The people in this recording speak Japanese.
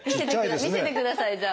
見せてくださいじゃあ我々に。